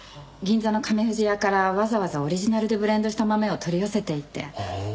銀座の亀富士屋からわざわざオリジナルでブレンドした豆を取り寄せていて。